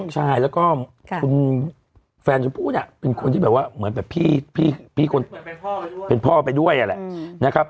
ชายแล้วก็คุณแฟนชมพู่เนี่ยเป็นคนที่แบบว่าเหมือนแบบพี่คนเป็นพ่อไปด้วยนั่นแหละนะครับ